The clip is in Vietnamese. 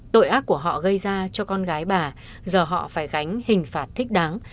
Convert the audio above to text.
tội ác của họ gây ra cho con gái bà giờ họ phải gánh hình phạt thích đáng